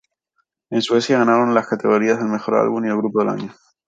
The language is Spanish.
En Suecia ganaron en las categorías a Mejor Álbum, y Grupo del Año.